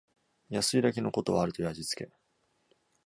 安いだけのことはあるという味つけ